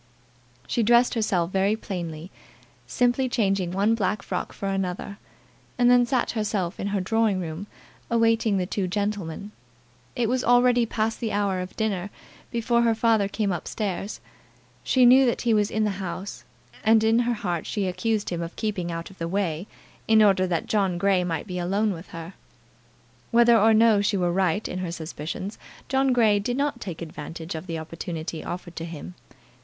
She dressed herself very plainly, simply changing one black frock for another, and then sat herself in her drawing room awaiting the two gentlemen. It was already past the hour of dinner before her father came up stairs. She knew that he was in the house, and in her heart she accused him of keeping out of the way, in order that John Grey might be alone with her. Whether or no she were right in her suspicions John Grey did not take advantage of the opportunity offered to him.